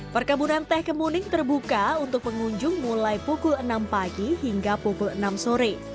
perkebunan teh kemuning terbuka untuk pengunjung mulai pukul enam pagi hingga pukul enam sore